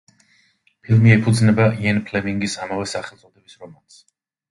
ფილმი ეფუძნება იენ ფლემინგის ამავე სახელწოდების რომანს.